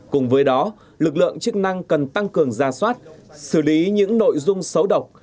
cùng với đó lực lượng chức năng cần tăng cường ra soát xử lý những nội dung xấu độc